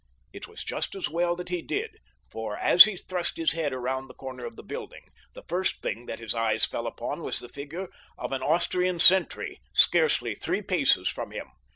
It was just as well that he did, for as he thrust his head around the corner of the building the first thing that his eyes fell upon was the figure of an Austrian sentry, scarcely three paces from him.